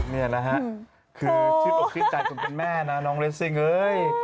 เนี่ยนะฮะคือชื่อตกใจส่วนเป็นแม่น่ะน้องเลสซิ่งเอ้ย